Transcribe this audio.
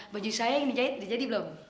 baju saya yang dijahit jadi belum